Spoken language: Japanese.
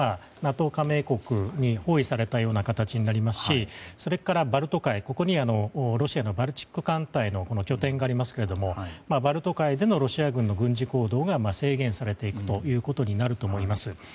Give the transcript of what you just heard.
加盟国に包囲されたような形になりますしそれからバルト海にはロシアのバルチック艦隊の拠点がありますがバルト海でのロシア軍の軍事行動が制限されていくことになると思います。